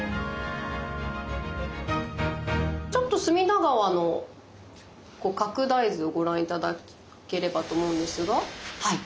ちょっと隅田川の拡大図をご覧頂ければと思うんですが。